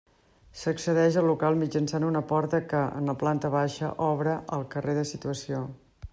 S'accedeix al local mitjançant una porta que, en la planta baixa, obre al carrer de situació.